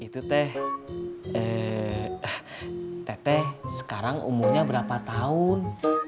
teteh sekarang umurnya berapa tahun